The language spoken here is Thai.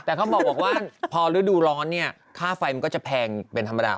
แต่เขาบอกว่าพอฤดูร้อนเนี่ยค่าไฟมันก็จะแพงเป็นธรรมดา